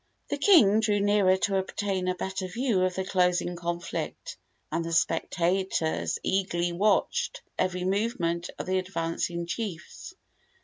The king drew nearer to obtain a better view of the closing conflict, and the spectators eagerly watched every movement of the advancing chiefs.